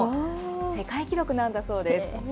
世界記録なんだそうです。